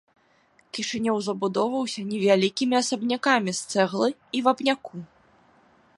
Кішынёў забудоўваўся невялікімі асабнякамі з цэглы і вапняку.